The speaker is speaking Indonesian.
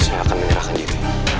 silahkan menyerahkan diri